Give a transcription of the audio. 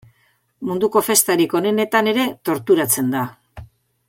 Munduko festarik onenetan ere torturatzen da.